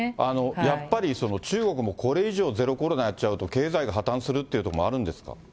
やっぱり中国もこれ以上ゼロコロナやっちゃうと、経済が破綻するっていうところもあるんですか。